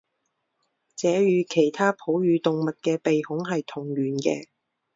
这与其他哺乳动物的鼻孔是同源的。